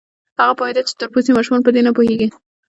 هغه پوهېده چې تور پوستي ماشومان په دې نه پوهېږي.